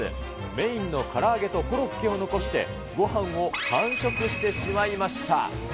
メインのから揚げとコロッケを残して、ごはんを完食してしまいました。